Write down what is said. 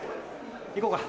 行こうか。